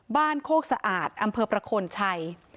โคกสะอาดอำเภอประโคนชัย